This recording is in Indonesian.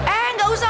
eh gak usah